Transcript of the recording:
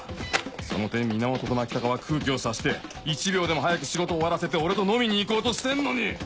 その点源と牧高は空気を察して１秒でも早く仕事終わらせて俺と飲みに行こうとしてんのに